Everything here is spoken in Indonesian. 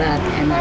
oh nasikan nenek